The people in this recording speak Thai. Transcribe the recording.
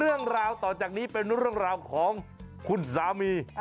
เรื่องราวต่อจากนี้เป็นเรื่องราวของคุณสามี